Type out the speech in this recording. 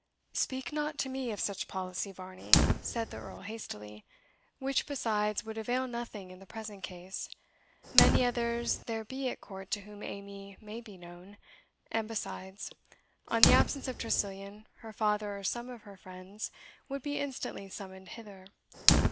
"Speak not to me of such policy, Varney," said the Earl hastily, "which, besides, would avail nothing in the present case. Many others there be at court to whom Amy may be known; and besides, on the absence of Tressilian, her father or some of her friends would be instantly summoned hither.